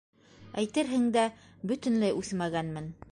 Әйтерһең дә бөтөнләй үҫмәгәнмен.